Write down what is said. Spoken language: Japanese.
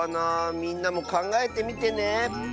みんなもかんがえてみてね。